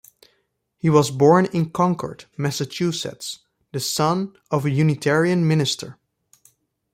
He was born in Concord, Massachusetts, the son of a Unitarian minister.